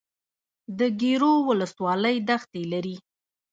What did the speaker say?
د ګیرو ولسوالۍ دښتې لري